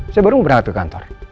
saya baru berangkat ke kantor